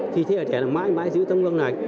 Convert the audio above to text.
thì thế giới trẻ là mãi mãi giữ tâm hương này